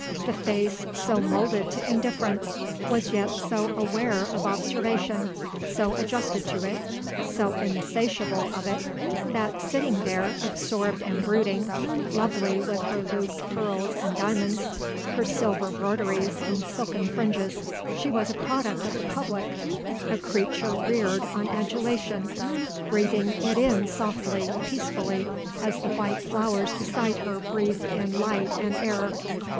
The face, so moulded to indifference, was yet so aware of observation, so adjusted to it, so insatiable of it, that, sitting there, absorbed and brooding, lovely with her looped pearls and diamonds, her silver broideries and silken fringes, she was a product of the public, a creature reared on adulation, breathing it in softly, peacefully, as the white flowers beside her breathed in light and air.